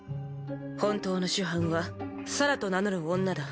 本当の主犯はサラと名乗る女だ。